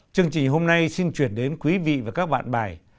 chương trình hôm nay xin chuyển đến quý vị và các bạn bài